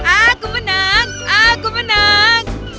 aku menang aku menang